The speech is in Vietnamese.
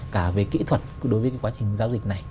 cả về kỹ thuật đối với quá trình giao dịch này